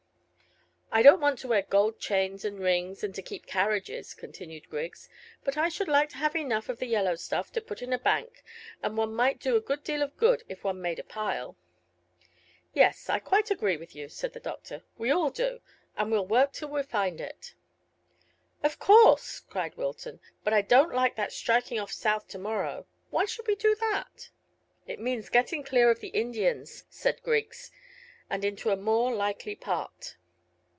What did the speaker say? "I don't want to wear gold chains and rings, and to keep carriages," continued Griggs, "but I should like to have enough of the yellow stuff to put in a bank, and one might do a good deal of good if one made a pile." "Yes, I quite agree with you," said the doctor. "We all do, and we'll work till we find it." "Of course," cried Wilton; "but I don't like that striking off south to morrow; why should we do that?" "It means getting clear of the Indians," said Griggs, "and into a more likely part."